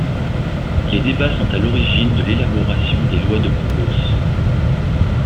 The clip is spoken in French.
Les débats sont à l'origine de l'élaboration des Lois de Burgos.